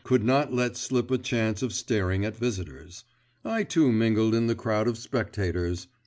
could not let slip a chance of staring at visitors. I too mingled in the crowd of spectators.